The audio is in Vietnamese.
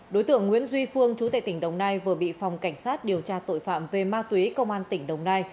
đối tượng nguyễn duy phương chú tệ tỉnh đồng nai vừa bị phòng cảnh sát điều tra tội phạm về ma túy công an tỉnh đồng nai